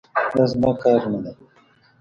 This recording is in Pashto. دا زما کار نه دی.